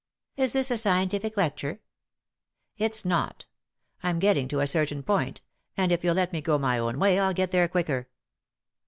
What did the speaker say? "Is this a scientific lecture ?" "It's not I'm getting to a certain point, and if you'll let me go my own way 111 get there quicker.